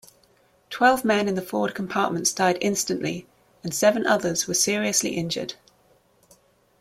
Twelve men in the forward compartments died instantly and seven others were seriously injured.